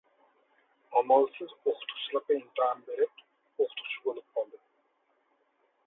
ئامالسىز ئوقۇتقۇچىلىققا ئىمتىھان بېرىپ، ئوقۇتقۇچى بولۇپ قالدىم.